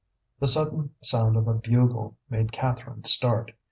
The sudden sound of a bugle made Catherine start.